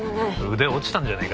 腕落ちたんじゃねえか？